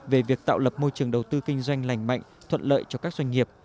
về việc tạo lập môi trường đầu tư kinh doanh lành mạnh thuận lợi cho các doanh nghiệp